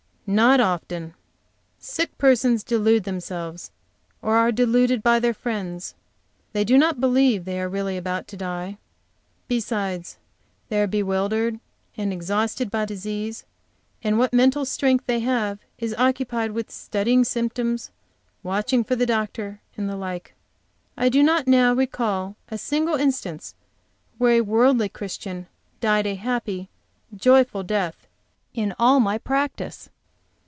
"Not often. Sick persons delude themselves, or are deluded by their friends; they do not believe they are really about to die. Besides, they are bewildered and exhausted by disease, and what mental strength they have is occupied with studying symptoms, watching for the doctor, and the like. I do not now recall a single instance where a worldly Christian died a happy, joyful death, in all my practice."